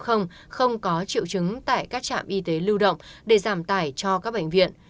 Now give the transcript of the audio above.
không có triệu chứng tại các trạm y tế lưu động để giảm tải cho các bệnh viện